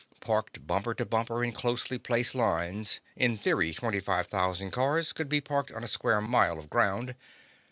Parked bumper to bumper in closely placed lines, in theory twenty five thousand cars could be parked on a square mile of ground.